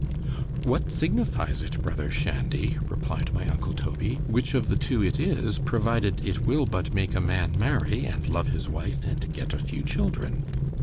What signifies it, brother Shandy, replied my uncle Toby, which of the two it is, provided it will but make a man marry, and love his wife, and get a few children?